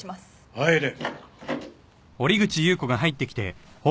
入れ。